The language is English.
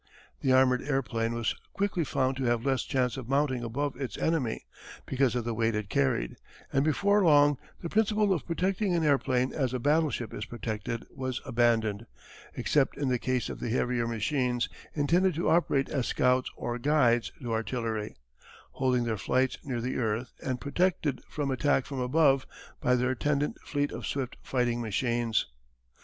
The armoured airplane was quickly found to have less chance of mounting above its enemy, because of the weight it carried, and before long the principle of protecting an airplane as a battleship is protected was abandoned, except in the case of the heavier machines intended to operate as scouts or guides to artillery, holding their flights near the earth and protected from attack from above by their attendant fleet of swift fighting machines.